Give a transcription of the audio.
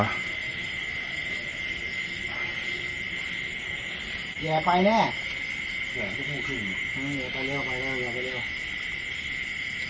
แย่ไปเนี่ย